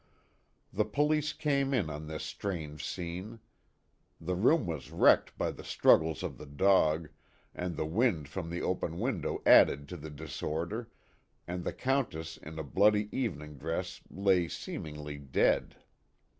The police came in on this strange scene. The room was wrecked by the struggles of the dog and the wind from the open window added to the disorder, and the Countess in a bloody evening dress lay seemingly dead.